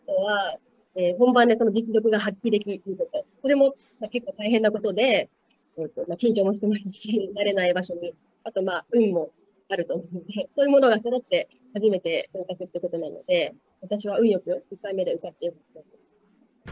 本番で実力が発揮できること、それも結構大変なことで、緊張もしますし、慣れない場所で、あとまあ運もあると思うので、そういうものがそろって、初めて合格ということなので、私は運よく、１回目で受かってよかったと思います。